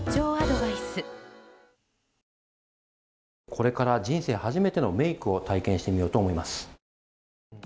これから人生で初めてのメイクを体験してみようと思います。